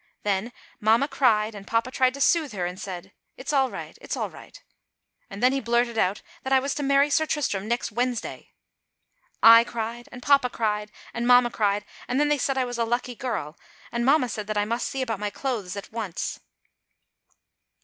Then mamma cried and papa tried to soothe her and said: "It's all right, it's all right," and then he blurted out that I was to marry Sir Tristram next Wednesday. I cried, and papa cried, and mamma cried, and then they said I was a lucky girl, and mamma said that I must see about my clothes at once.